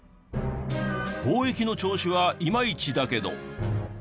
貿易の調子はイマイチだけど。